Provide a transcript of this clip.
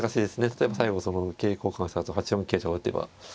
例えば最後桂交換したあと８四桂と打てば。